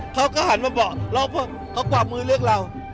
เขาก็หันมาบอกแล้วเขากวักมือเรียกเรา